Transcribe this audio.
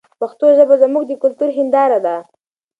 پښتو ژبه زموږ د کلتور هنداره ده.